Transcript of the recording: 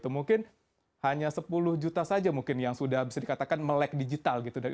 mungkin hanya sepuluh juta saja yang sudah bisa dikatakan melek digital dari umkm kita